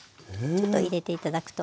ちょっと入れて頂くと。